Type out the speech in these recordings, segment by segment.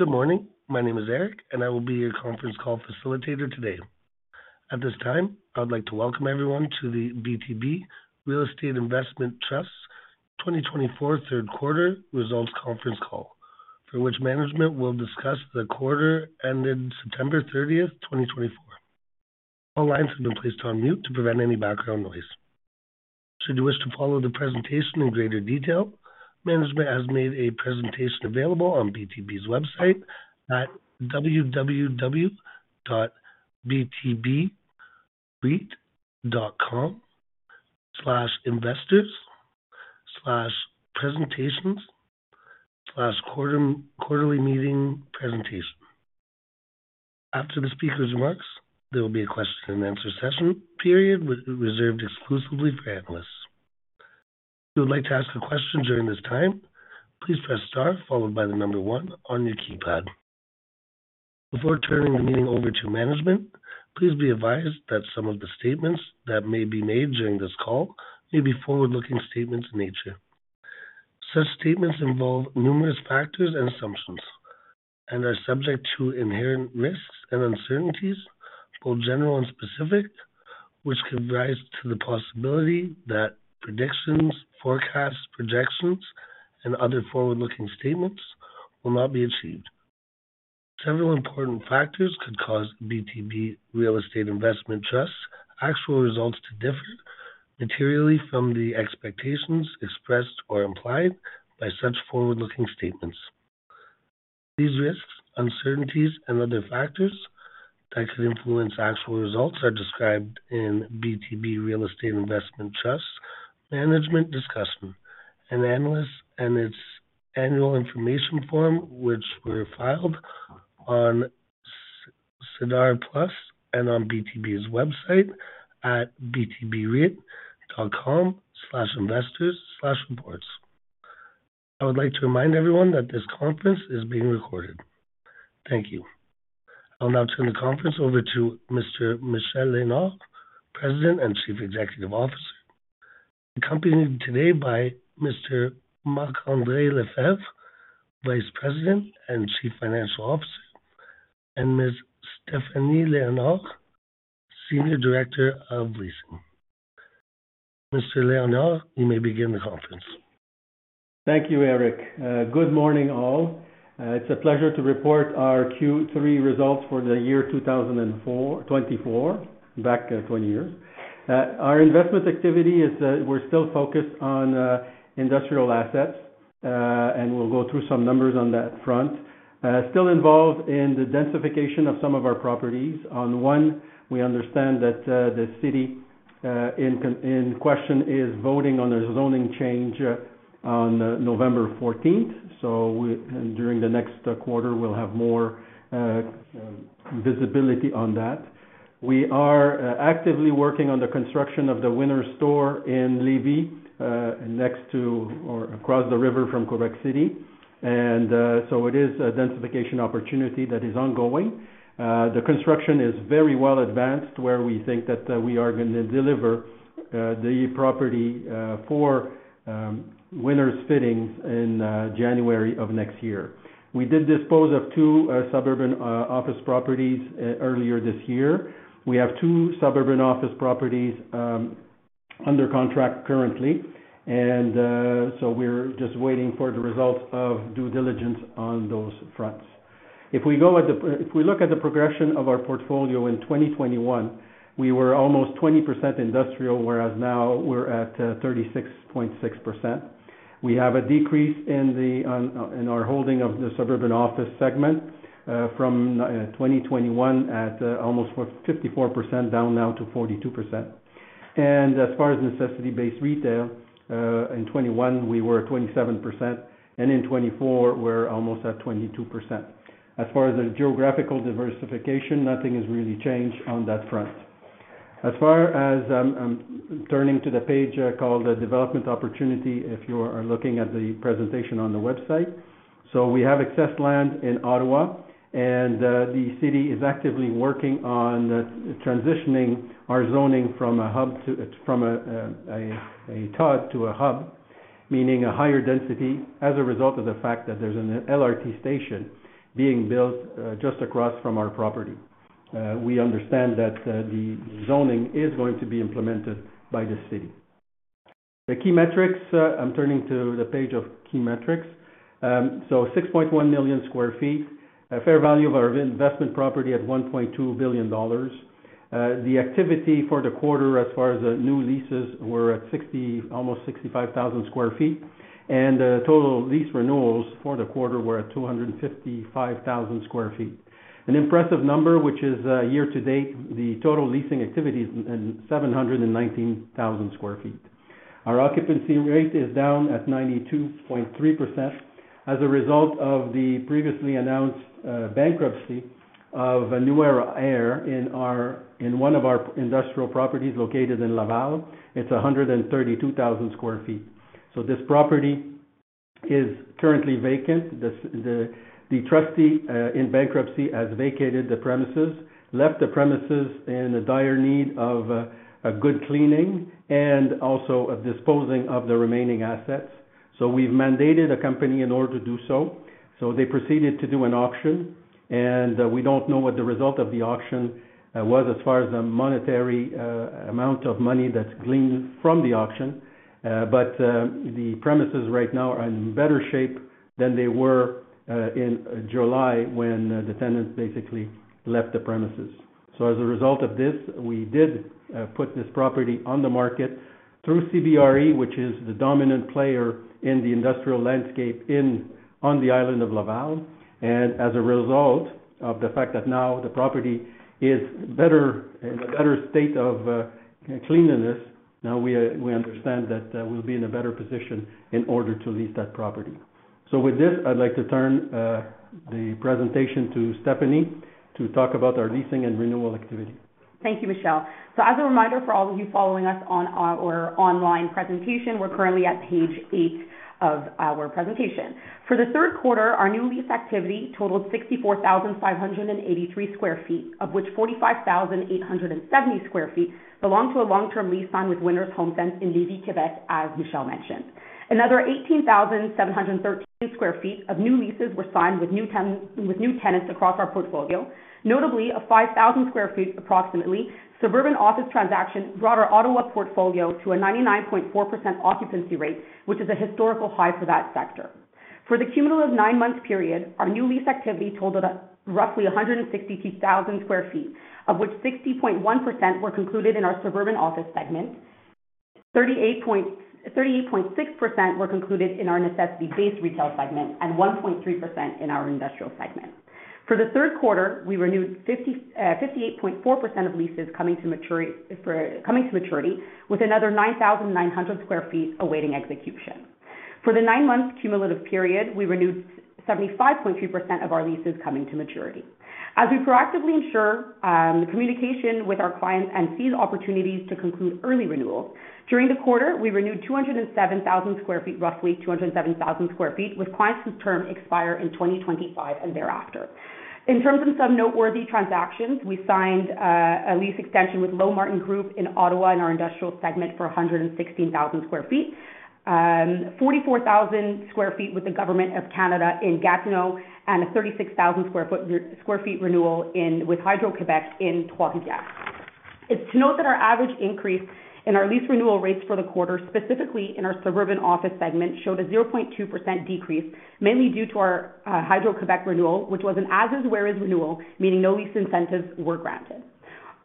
Good morning. My name is Eric, and I will be your conference call facilitator today. At this time, I would like to welcome everyone to the BTB Real Estate Investment Trust's 2024 Q3 Results Conference Call, for which management will discuss the quarter ended September 30, 2024. All lines have been placed on mute to prevent any background noise. Should you wish to follow the presentation in greater detail, management has made a presentation available on BTB's website at www.btbreit.com/investors/presentations/quarterlymeetingpresentation. After the speaker's remarks, there will be a question-and-answer session, reserved exclusively for analysts. If you would like to ask a question during this time, please press star followed by the number one on your keypad. Before turning the meeting over to management, please be advised that some of the statements that may be made during this call may be forward-looking statements in nature. Such statements involve numerous factors and assumptions and are subject to inherent risks and uncertainties, both general and specific, which could give rise to the possibility that predictions, forecasts, projections, and other forward-looking statements will not be achieved. Several important factors could cause BTB Real Estate Investment Trust's actual results to differ materially from the expectations expressed or implied by such forward-looking statements. These risks, uncertainties, and other factors that could influence actual results are described in BTB Real Estate Investment Trust's management discussion and analysis and its annual information form, which were filed on SEDAR+ and on BTB's website at btbreit.com/investors/reports. I would like to remind everyone that this conference is being recorded. Thank you. I'll now turn the conference over to Mr. Michel Léonard, President and Chief Executive Officer, accompanied today by Mr. Marc-André Lefebvre, Vice President and Chief Financial Officer, and Ms. Stéphanie Léonard, Senior Director of Leasing. Mr. Léonard, you may begin the conference. Thank you, Eric. Good morning, all. It's a pleasure to report our Q3 results for the year 2024, back 20 years. Our investment activity is that we're still focused on industrial assets, and we'll go through some numbers on that front. Still involved in the densification of some of our properties. On one, we understand that the city in question is voting on a zoning change on November 14. So during the next quarter, we'll have more visibility on that. We are actively working on the construction of the Winners store in Lévis, next to or across the river from Quebec City. And so it is a densification opportunity that is ongoing. The construction is very well advanced, where we think that we are going to deliver the property for Winners' fittings in January of next year. We did dispose of two suburban office properties earlier this year. We have two suburban office properties under contract currently. And so we're just waiting for the results of due diligence on those fronts. If we look at the progression of our portfolio in 2021, we were almost 20% industrial, whereas now we're at 36.6%. We have a decrease in our holding of the suburban office segment from 2021 at almost 54%, down now to 42%. And as far as necessity-based retail, in 2021, we were at 27%, and in 2024, we're almost at 22%. As far as the geographical diversification, nothing has really changed on that front. As far as turning to the page called Development Opportunity, if you are looking at the presentation on the website, so we have excess land in Ottawa, and the city is actively working on transitioning our zoning from a hub to a TOD to a hub, meaning a higher density as a result of the fact that there's an LRT station being built just across from our property. We understand that the zoning is going to be implemented by the city. The key metrics, I'm turning to the page of key metrics. 6.1 million sq ft, a fair value of our investment property at 1.2 billion dollars. The activity for the quarter, as far as new leases, were at almost 65,000 sq ft, and total lease renewals for the quarter were at 255,000 sq ft. An impressive number, which is year to date, the total leasing activity is 719,000 sq ft. Our occupancy rate is down at 92.3% as a result of the previously announced bankruptcy of Nuera Air in one of our industrial properties located in Laval. It's 132,000 sq ft, so this property is currently vacant. The trustee in bankruptcy has vacated the premises, left the premises in a dire need of good cleaning and also of disposing of the remaining assets, so we've mandated a company in order to do so. So they proceeded to do an auction. And we don't know what the result of the auction. Was as far as the monetary amount of money that's gleaned from the auction, but the premises right now are in better shape than they were in July when the tenants basically left the premises. So as a result of this, we did put this property on the market through CBRE, which is the dominant player in the industrial landscape on the island of Laval. And as a result of the fact that now the property is in a better state of cleanliness, now we understand that we'll be in a better position in order to lease that property. So with this, I'd like to turn the presentation to Stephanie to talk about our leasing and renewal activity. Thank you, Michel. So as a reminder for all of you following us on our online presentation, we're currently at page eight of our presentation. For the Q3, our new lease activity totaled 64,583 sq ft, of which 45,870 sq ft belonged to a long-term lease signed with Winners and HomeSense in Lévis, Quebec, as Michel mentioned. Another 18,713 sq ft of new leases were signed with new tenants across our portfolio. Notably, a 5,000 sq ft approximately suburban office transaction brought our Ottawa portfolio to a 99.4% occupancy rate, which is a historical high for that sector. For the cumulative nine-month period, our new lease activity totaled roughly 162,000 sq ft, of which 60.1% were concluded in our suburban office segment, 38.6% were concluded in our necessity-based retail segment, and 1.3% in our industrial segment. For the Q3, we renewed 58.4% of leases coming to maturity, with another 9,900 sq ft awaiting execution. For the nine-month cumulative period, we renewed 75.3% of our leases coming to maturity. As we proactively ensure communication with our clients and seize opportunities to conclude early renewals, during the quarter, we renewed 207,000 sq ft, roughly 207,000 sq ft, with clients whose term expires in 2025 and thereafter. In terms of some noteworthy transactions, we signed a lease extension with Lowe-Martin Group in Ottawa in our industrial segment for 116,000 sq ft, 44,000 sq ft with the Government of Canada in Gatineau, and a 36,000 sq ft renewal with Hydro-Québec in Trois-Rivières. It's to note that our average increase in our lease renewal rates for the quarter, specifically in our suburban office segment, showed a 0.2% decrease, mainly due to our Hydro-Québec renewal, which was an as-is-where-is renewal, meaning no lease incentives were granted.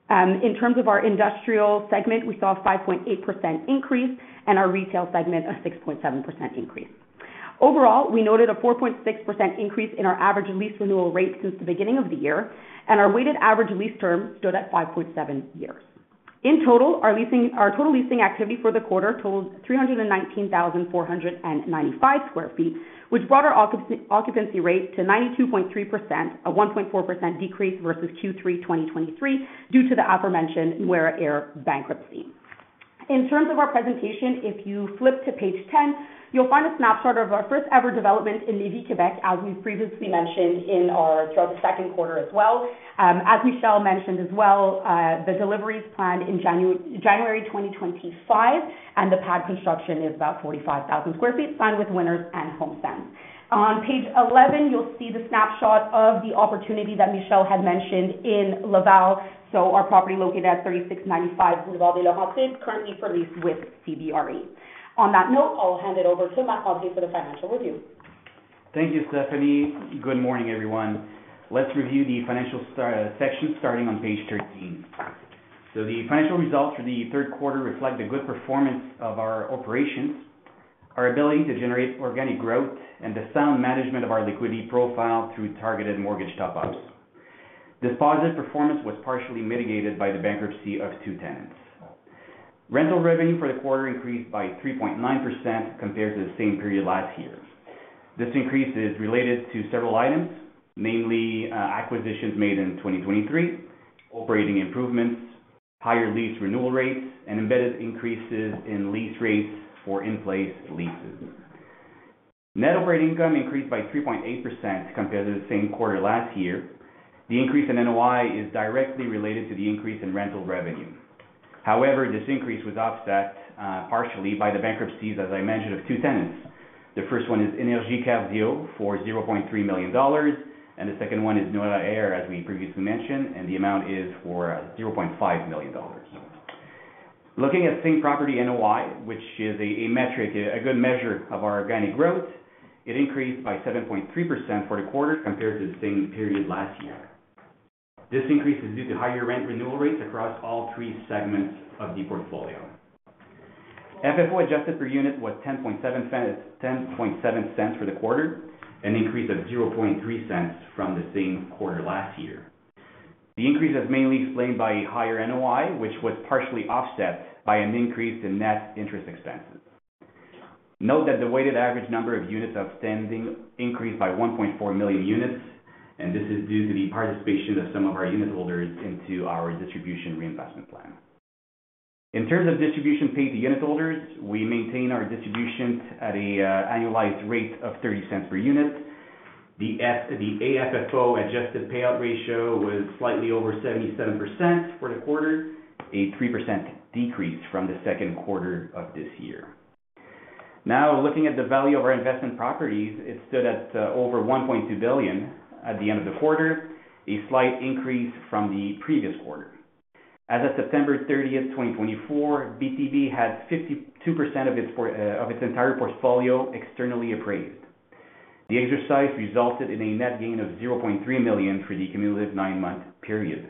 In terms of our industrial segment, we saw a 5.8% increase, and our retail segment, a 6.7% increase. Overall, we noted a 4.6% increase in our average lease renewal rate since the beginning of the year, and our weighted average lease term stood at 5.7 years. In total, our total leasing activity for the quarter totaled 319,495 sq ft, which brought our occupancy rate to 92.3%, a 1.4% decrease versus Q3 2023 due to the aforementioned Nuera Air bankruptcy. In terms of our presentation, if you flip to page 10, you'll find a snapshot of our first-ever development in Lévis, Quebec, as we've previously mentioned throughout the Q2 as well. As Michel mentioned as well, the delivery is planned in January 2025, and the pad construction is about 45,000 sq ft signed with Winners and HomeSense. On page 11, you'll see the snapshot of the opportunity that Michel had mentioned in Laval. So our property located at 3695 Boulevard de la Renaissance is currently for lease with CBRE. On that note, I'll hand it over to Marc-André Lefebvre for the financial review. Thank you, Stéphanie. Good morning, everyone. Let's review the financial section starting on page 13. So the financial results for the Q3 reflect a good performance of our operations, our ability to generate organic growth, and the sound management of our liquidity profile through targeted mortgage top-ups. This positive performance was partially mitigated by the bankruptcy of two tenants. Rental revenue for the quarter increased by 3.9% compared to the same period last year. This increase is related to several items, namely acquisitions made in 2023, operating improvements, higher lease renewal rates, and embedded increases in lease rates for in-place leases. Net operating income increased by 3.8% compared to the same quarter last year. The increase in NOI is directly related to the increase in rental revenue. However, this increase was offset partially by the bankruptcies, as I mentioned, of two tenants. The first one is Énergie Cardio for 0.3 million dollars, and the second one is Nuera Air, as we previously mentioned, and the amount is for 0.5 million dollars. Looking at the same property NOI, which is a metric, a good measure of our organic growth, it increased by 7.3% for the quarter compared to the same period last year. This increase is due to higher rent renewal rates across all three segments of the portfolio. FFO adjusted per unit was 0.107 for the quarter, an increase of 0.003 from the same quarter last year. The increase is mainly explained by higher NOI, which was partially offset by an increase in net interest expenses. Note that the weighted average number of units outstanding increased by 1.4 million units, and this is due to the participation of some of our unit holders into our distribution reinvestment plan. In terms of distribution paid to unit holders, we maintain our distribution at an annualized rate of 0.30 per unit. The AFFO adjusted payout ratio was slightly over 77% for the quarter, a 3% decrease from the Q2 of this year. Now, looking at the value of our investment properties, it stood at over 1.2 billion at the end of the quarter, a slight increase from the previous quarter. As of September 30, 2024, BTB had 52% of its entire portfolio externally appraised. The exercise resulted in a net gain of 0.3 million for the cumulative nine-month period.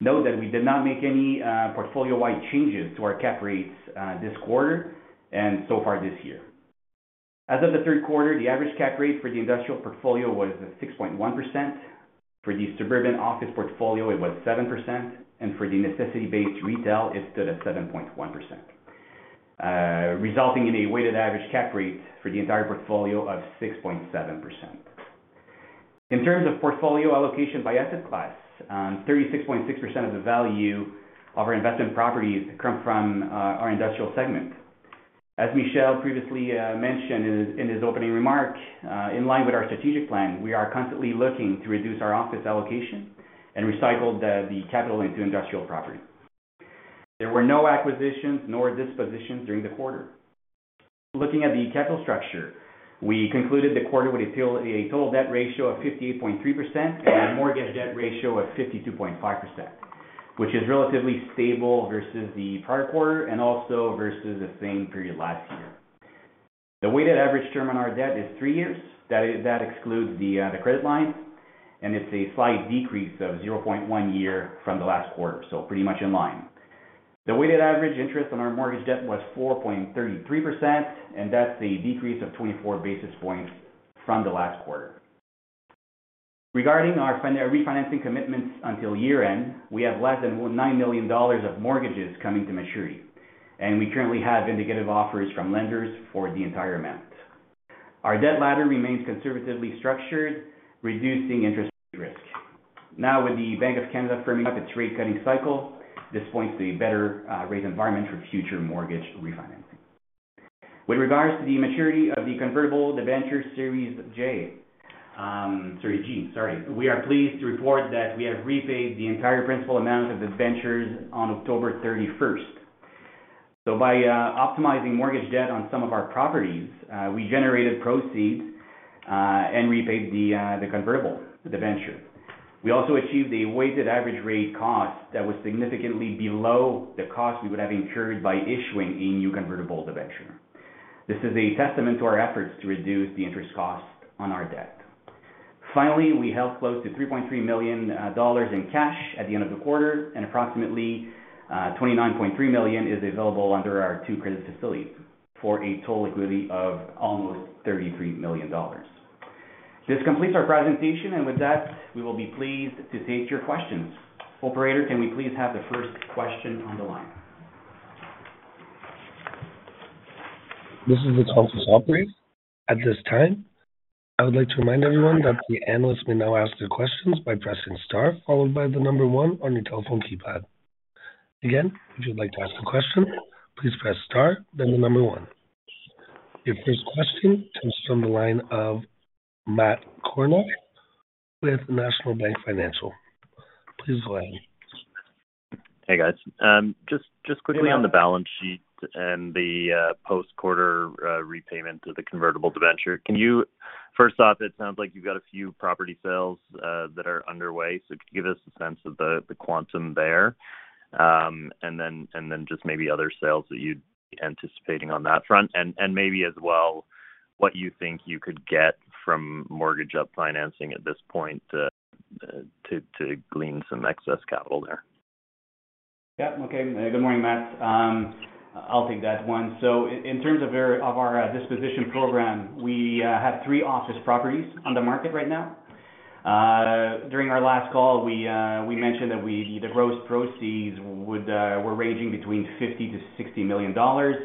Note that we did not make any portfolio-wide changes to our cap rates this quarter and so far this year. As of the Q3, the average cap rate for the industrial portfolio was 6.1%. For the suburban office portfolio, it was 7%, and for the necessity-based retail, it stood at 7.1%, resulting in a weighted average cap rate for the entire portfolio of 6.7%. In terms of portfolio allocation by asset class, 36.6% of the value of our investment properties comes from our industrial segment. As Michel previously mentioned in his opening remark, in line with our strategic plan, we are constantly looking to reduce our office allocation and recycle the capital into industrial property. There were no acquisitions nor dispositions during the quarter. Looking at the capital structure, we concluded the quarter with a total debt ratio of 58.3% and a mortgage debt ratio of 52.5%, which is relatively stable versus the prior quarter and also versus the same period last year. The weighted average term on our debt is three years. That excludes the credit line, and it's a slight decrease of 0.1 year from the last quarter, so pretty much in line. The weighted average interest on our mortgage debt was 4.33%, and that's a decrease of 24 basis points from the last quarter. Regarding our refinancing commitments until year-end, we have less than 9 million dollars of mortgages coming to maturity, and we currently have indicative offers from lenders for the entire amount. Our debt ladder remains conservatively structured, reducing interest risk. Now, with the Bank of Canada firming up its rate-cutting cycle, this points to a better rate environment for future mortgage refinancing. With regards to the maturity of the convertible debenture Series J, sorry, G, sorry, we are pleased to report that we have repaid the entire principal amount of the debentures on October 31. By optimizing mortgage debt on some of our properties, we generated proceeds and repaid the Convertible Debenture. We also achieved a weighted average rate cost that was significantly below the cost we would have incurred by issuing a new Convertible Debenture. This is a testament to our efforts to reduce the interest cost on our debt. Finally, we held close to 3.3 million dollars in cash at the end of the quarter, and approximately 29.3 million is available under our two credit facilities for a total liquidity of almost 33 million dollars. This completes our presentation, and with that, we will be pleased to take your questions. Operator, can we please have the first question on the line? This is the operator. At this time, I would like to remind everyone that the analyst may now ask their questions by pressing star, followed by the number one on your telephone keypad. Again, if you'd like to ask a question, please press star, then the number one. Your first question comes from the line of Matt Kornak with National Bank Financial. Please go ahead. Hey, guys. Just quickly on the balance sheet and the post-quarter repayment of the convertible debenture. First off, it sounds like you've got a few property sales that are underway, so give us a sense of the quantum there, and then just maybe other sales that you'd be anticipating on that front, and maybe as well what you think? you could get from mortgage-up financing at this point to glean some excess capital there? Yeah. Okay. Good morning, Matt. I'll take that one. So in terms of our disposition program, we have three office properties on the market right now. During our last call, we mentioned that the gross proceeds were ranging between 50-60 million dollars.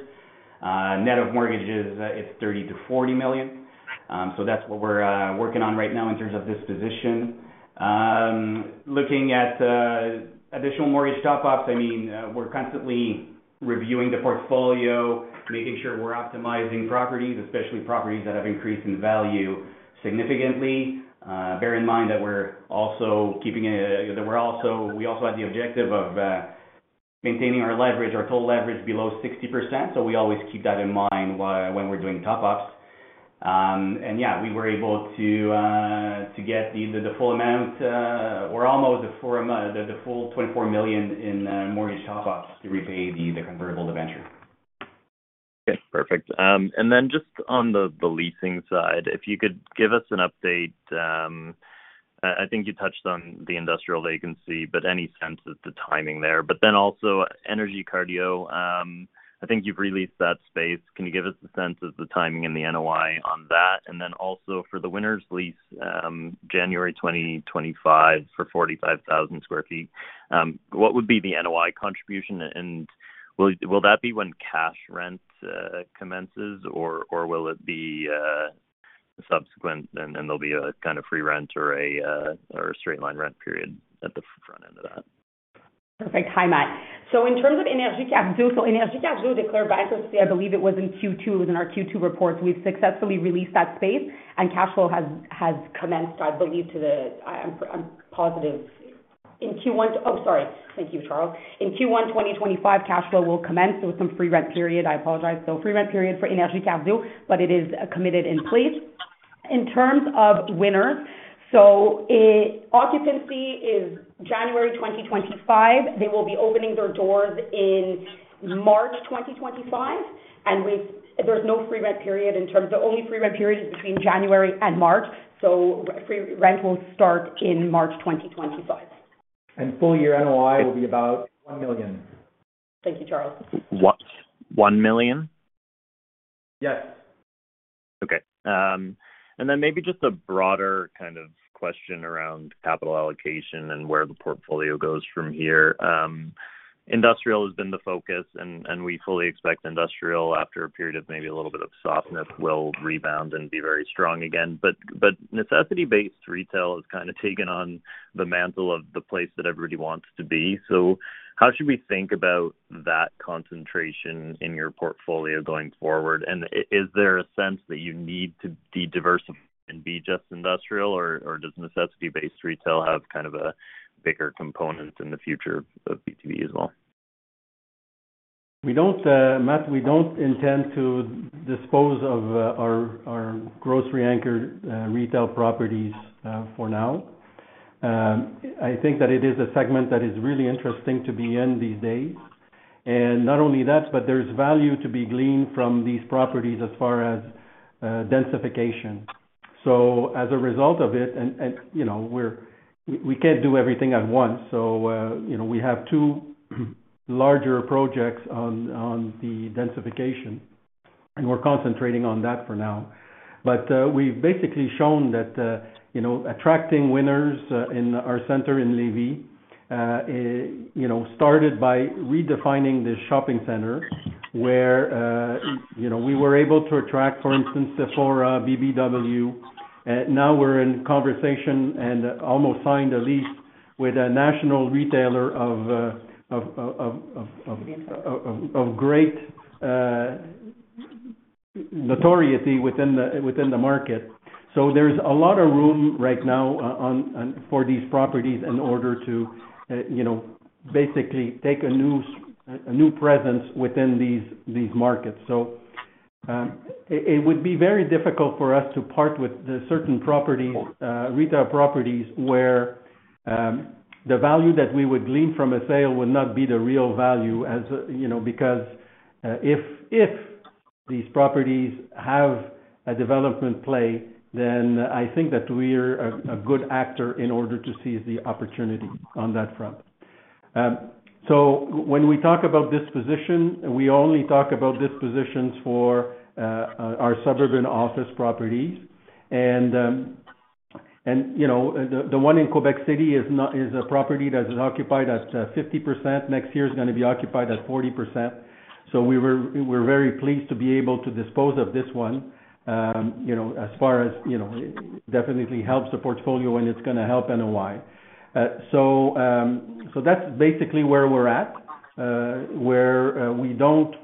Net of mortgages, it's 30-40 million. So that's what we're working on right now in terms of disposition. Looking at additional mortgage top-ups, I mean, we're constantly reviewing the portfolio, making sure we're optimizing properties, especially properties that have increased in value significantly. Bear in mind that we're also keeping that we also had the objective of maintaining our leverage, our total leverage, below 60%, so we always keep that in mind when we're doing top-ups. And yeah, we were able to get the full amount or almost the full 24 million in mortgage top-ups to repay the convertible debenture. Okay. Perfect. And then just on the leasing side, if you could give us an update. I think you touched on the industrial vacancy, but any sense of the timing there. But then also Énergie Cardio, I think you've re-leased that spacean you give us a sense of the timing and the NOI on that? And then also for the Winners' lease, January 2025 for 45,000 sq ft, what would be the NOI contribution? And will that be when cash rent commences, or will it be subsequent and there'll be a kind of free rent or a straight-line rent period at the front end of that? Perfect. Hi, Matt. So in terms of Énergie Cardio, so Énergie Cardio declared bankruptcy, I believe it was in Q2 it was in our Q2 reports we've successfully re-leased that space, and cash flow has commenced, I believe, to the. I'm positive. In Q1. Oh, sorry. Thank you, Charles. In Q1 2025, cash flow will commence with some free rent period i apologize so free rent period for Énergie Cardio, but it is committed in place. In terms of Winners, so occupancy is January 2025. They will be opening their doors in March 2025, and there's no free rent period in terms of the only free rent period is between January and March. So free rent will start in March 2025. Full-year NOI will be about $1 million. Thank you, Charles. $1 million? Yes. Okay. And then maybe just a broader kind of question around capital allocation and where the portfolio goes from here. Industrial has been the focus, and we fully expect industrial, after a period of maybe a little bit of softness, will rebound and be very strong again but necessity-based retail has kind of taken on the mantle of the place that everybody wants to be. So how should? we think about that concentration in your portfolio going forward? And is there a sense that you need to be diversified and be just industrial, or does necessity-based retail have kind of a bigger component in the future of BTB as well? We don't, Matt, we don't intend to dispose of our grocery-anchored retail properties for now. I think that it is a segment that is really interesting to be in these days, and not only that, but there's value to be gleaned from these properties as far as densification, so as a result of it, and we can't do everything at once, so we have two larger projects on the densification. And we're concentrating on that for now, but we've basically shown that attracting Winners in our center in Lévis started by redefining the shopping center. Where we were able to attract, for instance, Sephora BBW. Now we're in conversation and almost signed a lease with a national retailer of great notoriety within the market, so there's a lot of room right now for these properties in order to basically take a new presence within these markets. So it would be very difficult for us to part with certain retail properties where the value that we would glean from a sale would not be the real value because if these properties have a development play, then I think that we're a good actor in order to seize the opportunity on that front. So when we talk about disposition, we only talk about dispositions for our suburban office properties. And the one in Quebec City is a property that is occupied at 50% next year is going to be occupied at 40%. So we're very pleased to be able to dispose of this one. As far as definitely helps the portfolio and it's going to help NOI. So that's basically where we're at, where we don't,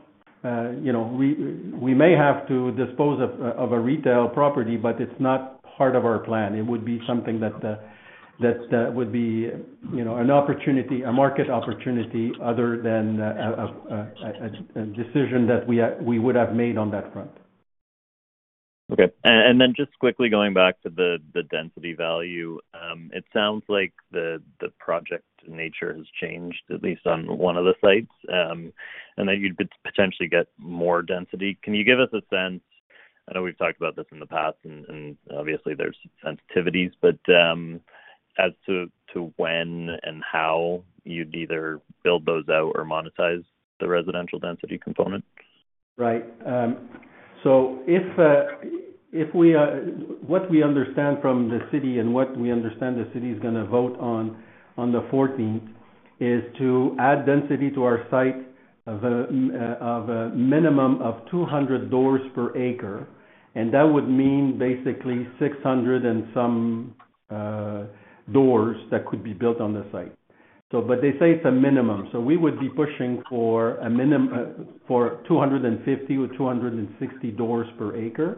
we may have to dispose of a retail property, but it's not part of our plan.It would be something that would be an opportunity, a market opportunity other than a decision that we would have made on that front. Okay. And then just quickly going back to the density value, it sounds like the project nature has changed, at least on one of the sites, and that you'd potentially get more density can you give us a sense? I know we've talked about this in the past, and obviously there's sensitivities, but as to when and how you'd either build those out or monetize the residential density component? Right. So what we understand from the city and what we understand the city is going to vote on on the 14th is to add density to our site of a minimum of 200 doors per acre, and that would mean basically 600 and some doors that could be built on the site, but they say it's a minimum, so we would be pushing for 250 or 260 doors per acre?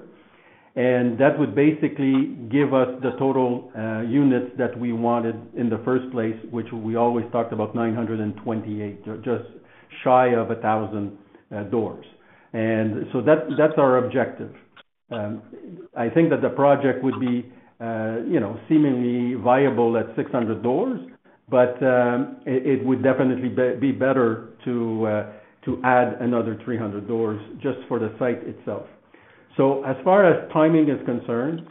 And that would basically give us the total units that we wanted in the first place, which we always talked about 928, just shy of 1,000 doors, and so that's our objective. I think that the project would be seemingly viable at 600 doors, but it would definitely be better to add another 300 doors just for the site itself. So, as far as timing is concerned,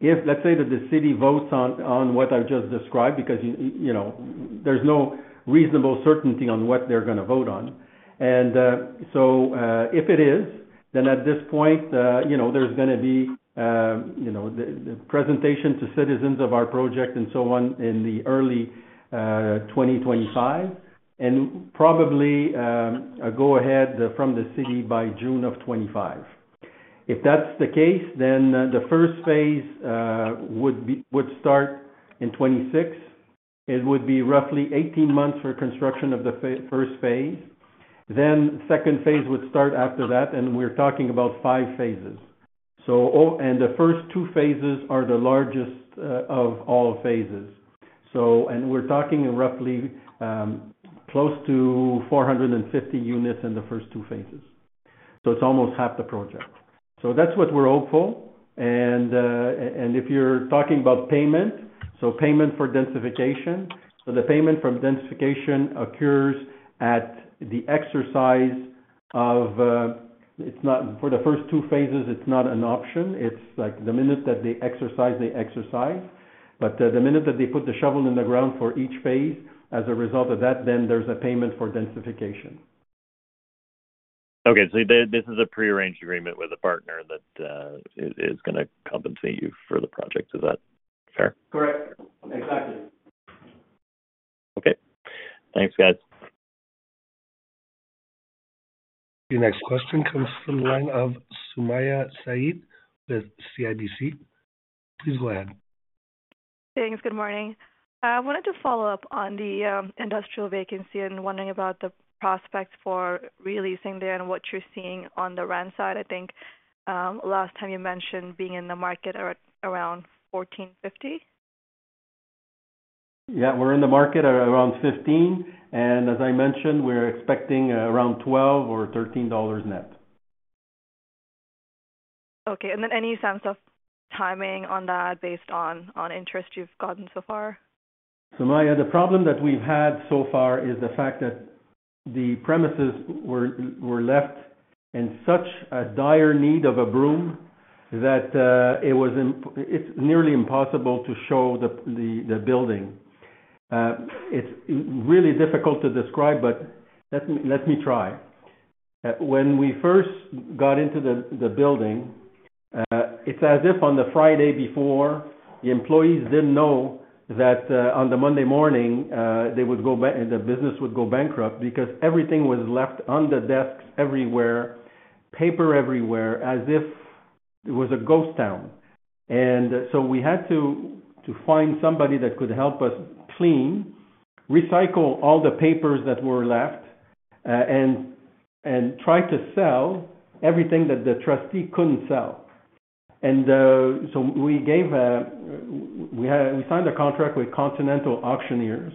let's say that the city votes on what I've just described because there's no reasonable certainty on what they're going to vote on. And so if it is, then at this point, there's going to be the presentation to citizens of our project and so on in the early 2025 and probably a go-ahead from the city by June of 2025. If that's the case, then the first phase would start in 2026. It would be roughly 18 months for construction of the first phase. Then the second phase would start after that, and we're talking about five phases. And the first two phases are the largest of all phases. And we're talking roughly close to 450 units in the first two phases. So it's almost half the project. So that's what we're hopeful. If you're talking about payment, so payment for densification, so the payment from densification occurs at the exercise of for the first two phases, it's not an option it's like the minute that they exercise, they exercise. The minute that they put the shovel in the ground for each phase, as a result of that, then there's a payment for densification. Okay, so this is a pre-arranged agreement with a partner that is going to compensate you for the project. Is that fair? Correct. Exactly. Okay. Thanks, guys. The next question comes from the line of Sumayya Syed with CIBC. Please go ahead. Thanks. Good morning. I wanted to follow up on the industrial vacancy and wondering about the prospects for releasing there and what you're seeing on the rent side. I think last time you mentioned being in the market around 14.500. Yeah. We're in the market around 15.000, and as I mentioned, we're expecting around 12.000 or 13.000 dollars net. Okay. And then any sense of timing on that based on interest you've gotten so far? Sumayya, the problem that we've had so far is the fact that the premises were left in such a dire need of a broom that it's nearly impossible to show the building. It's really difficult to describe, but let me try. When we first got into the building, it's as if on the Friday before, the employees didn't know that on the Monday morning, the business would go bankrupt because everything was left on the desks everywhere, paper everywhere, as if it was a ghost town. And so we had to find somebody that could help us clean, recycle all the papers that were left, and try to sell everything that the trustee couldn't sell. And so we signed a contract with Continental Auctioneers,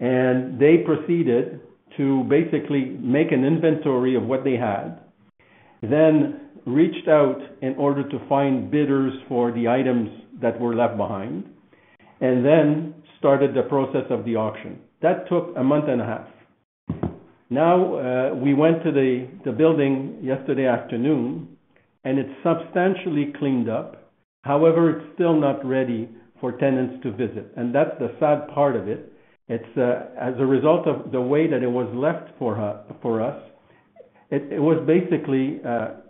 and they proceeded to basically make an inventory of what they had. Then reached out in order to find bidders for the items that were left behind, and then started the process of the auction that took a month and a half. Now we went to the building yesterday afternoon, and it's substantially cleaned up. However, it's still not ready for tenants to visit and that's the sad part of it. As a result of the way that it was left for us, it was basically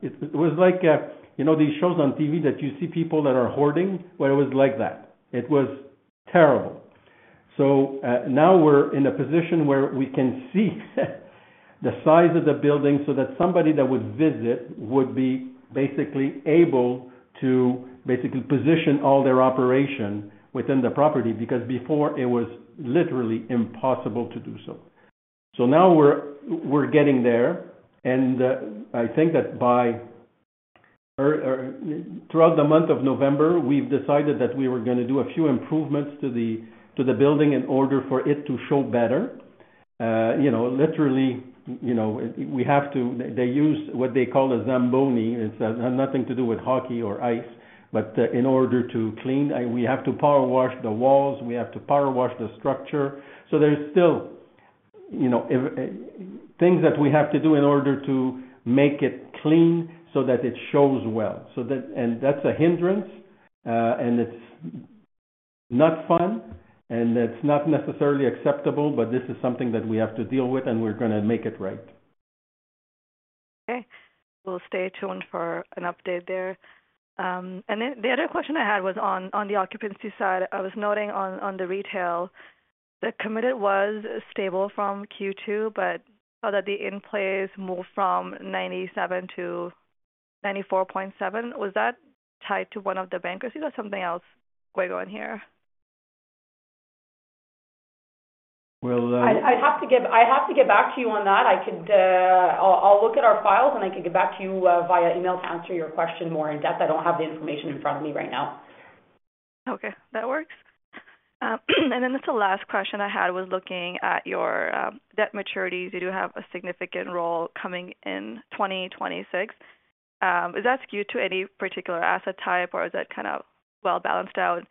like these shows on TV that you see people that are hoarding, but it was like that. It was terrible. So now we're in a position where we can see the size of the building so that somebody that would visit would be basically able to basically position all their operation within the property because before, it was literally impossible to do so. So now we're getting there. And I think that by throughout the month of November, we've decided that we were going to do a few improvements to the building in order for it to show better. Literally, we have to they use what they call a Zamboni it has nothing to do with hockey or ice. But in order to clean, we have to power wash the walls we have to power wash the structure. So there's still things that we have to do in order to make it clean so that it shows well. And that's a hindrance, and it's not fun, and it's not necessarily acceptable, but this is something that we have to deal with, and we're going to make it right. Okay. We'll stay tuned for an update there. And then the other question I had was on the occupancy side. I was noting on the retail, the commitment was stable from Q2, but I saw that the in-place moved from 97 to 94.7. Was that tied to one of the bankruptcies or something else going on here? Well. I have to get back to you on that. I'll look at our files, and I can get back to you via email to answer your question more in depth i don't have the information in front of me right now. Okay. That works, and then the last question I had was looking at your debt maturities you do have a significant roll coming in 2026? Is that skewed to any particular asset type, or is that kind of well balanced out,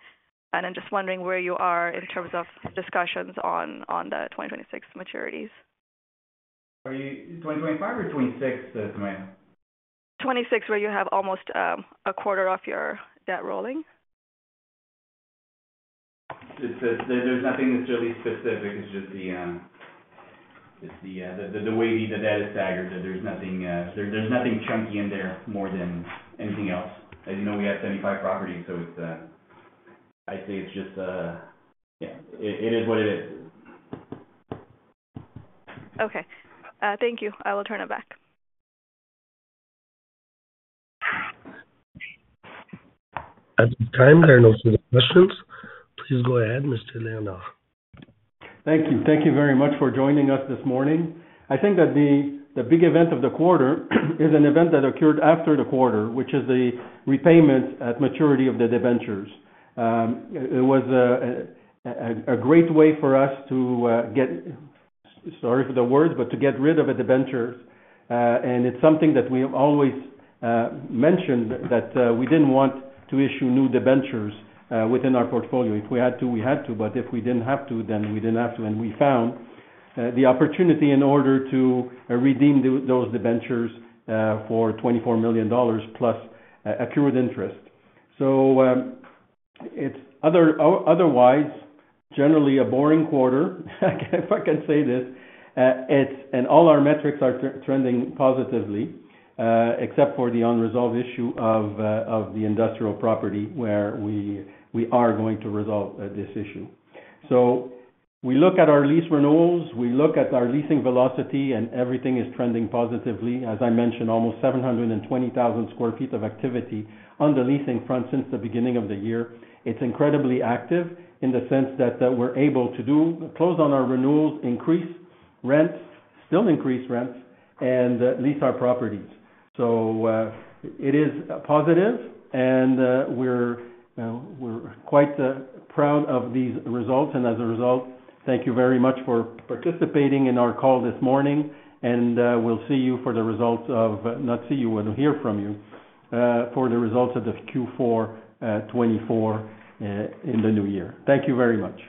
and I'm just wondering where you are in terms of discussions on the 2026 maturities. Are you 2025 or 2026, Sumayya? 2026, where you have almost a quarter of your debt rolling. There's nothing necessarily specific it's just the way the data is staggered there's nothing chunky in there more than anything else. As you know, we have 75 properties, so I'd say it's just yeah, it is what it is. Okay. Thank you. I will turn it back. At this time, there are no further questions. Please go ahead, Mr. Léonard. Thank you. Thank you very much for joining us this morning. I think that the big event of the quarter is an event that occurred after the quarter, which is the repayments at maturity of the debentures. It was a great way for us to get - sorry for the word - but to get rid of the debentures. And it's something that we have always mentioned that we didn't want to issue new debentures within our portfolio, if we had to, we had to, but if we didn't have to, then we didn't have to, and we found the opportunity in order to redeem those debentures for 24 million dollars plus accrued interest, so it's otherwise generally a boring quarter, if I can say this, and all our metrics are trending positively. Except for the unresolved issue of the industrial property where we are going to resolve this issue. So we look at our lease renewals. We look at our leasing velocity, and everything is trending positively as I mentioned, almost 720,000 sq ft of activity on the leasing front since the beginning of the year. It's incredibly active. In the sense that we're able to do close on our renewals, increase rents, still increase rents, and lease our properties. So it is positive, and we're quite proud of these results and as a result, thank you very much for participating in our call this morning. And we'll see you for the results of not see you, but hear from you for the results of the Q4 2024 in the new year. Thank you very much.